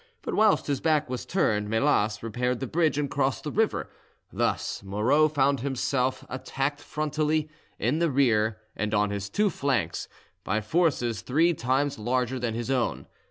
But whilst his back was turned Melas repaired the bridge and crossed the river; thus Moreau found himself attacked frontally, in the rear, and on his two flanks, by forces three times larger than his own.